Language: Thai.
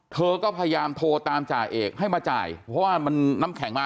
เธอก็พยายามโทรตามจ่าเอกให้มาจ่ายเพราะว่ามันน้ำแข็งมา